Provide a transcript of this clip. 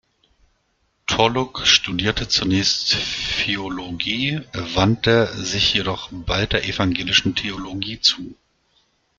Tholuck studierte zunächst Philologie, wandte sich jedoch bald der evangelischen Theologie zu.